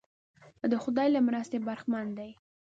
د خدای له مرستې برخمن وي.